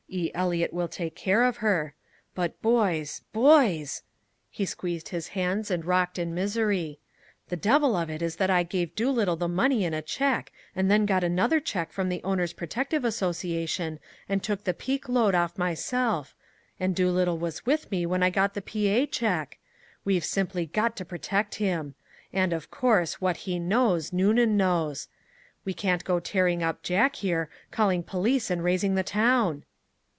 "E. Eliot will take care of her. But, boys boys," he squeezed his hands and rocked in misery, "the devil of it is that I gave Doolittle the money in a check and then went and got another check from the Owners' Protective Association and took the peak load off myself, and Doolittle was with me when I got the P. A. check. We've simply got to protect him. And, of course, what he knows, Noonan knows. We can't go tearing up Jack here, calling police and raising the town!"